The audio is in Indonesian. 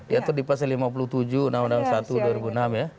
itu di pasal lima puluh tujuh enam ratus enam puluh satu dua ribu enam ya